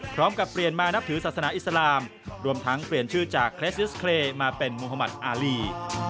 พร้อมกับเปลี่ยนมานับถือศาสนาอิสลามรวมทั้งเปลี่ยนชื่อจากเครสลิสเครย์มาเป็นมุธมัติอารี